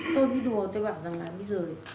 tôi đi đùa tôi bảo rằng là bây giờ